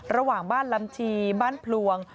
ระหว่างบ้านลำชีบ้านพลวง